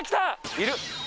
いる！